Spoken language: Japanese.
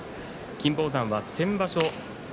金峰山は先場所